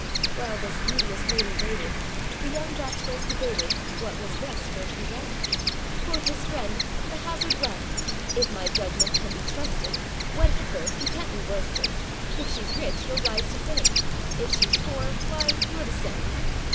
â While this beauteous lady waited, The young bachelors debated What was best for to be done: Quoth his friend, âThe hazard run. âIf my judgment can be trusted, Wed her first, you canât be worsted; If sheâs rich, youâll rise to fame, If sheâs poor, why! youâre the same.